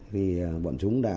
thì bọn chúng đã